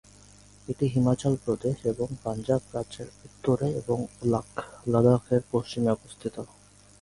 এটি হিমাচল প্রদেশ এবং পাঞ্জাব রাজ্যের উত্তরে এবং লাদাখের পশ্চিমে অবস্থিত।